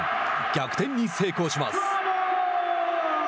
逆転に成功します。